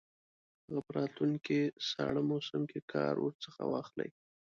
هغه په راتلونکي ساړه موسم کې کار ورڅخه واخلي.